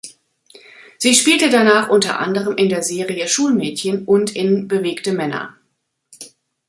Sie spielte danach unter anderem in der Serie Schulmädchen und in Bewegte Männer.